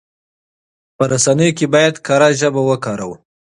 په رسنيو کې بايد کره ژبه وکاروو.